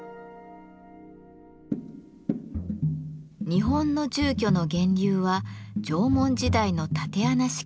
日本の住居の源流は縄文時代の竪穴式住居。